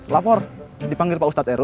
lapor dipanggil pak ustadz eru